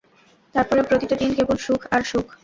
তারপরে প্রতিটা দিন কেবল সুখ আর সুখ।